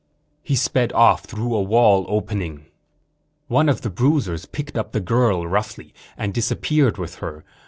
He sped off, through a wall opening. One of the bruisers picked up the girl, roughly, and disappeared with her.